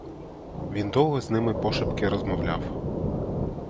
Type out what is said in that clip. Він довго з ними пошепки розмовляв.